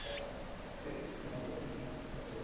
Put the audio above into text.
এই দুইটির মধ্যে আমি প্রাচীন হিন্দু-সমাজকেই বাছিয়া লইব।